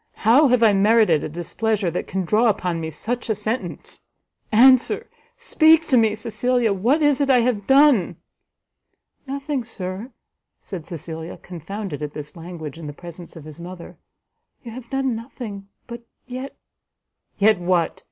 how have I merited a displeasure that can draw upon me such a sentence? Answer, speak to me, Cecilia, what is it I have done?" "Nothing, Sir," said Cecilia, confounded at this language in the presence of his mother, "you have done nothing, but yet " "Yet what?